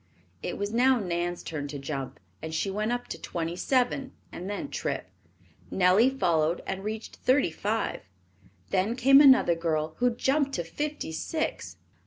It was now Nan's turn to jump and she went up to twenty seven and then tripped. Nellie followed and reached thirty five. Then came another girl who jumped to fifty six.